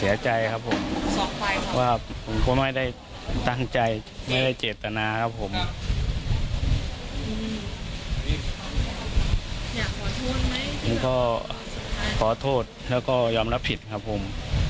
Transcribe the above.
อยากขอโทษไหมผมก็ขอโทษแล้วก็ยอมรับผิดครับผม